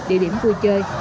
địa điểm vui chơi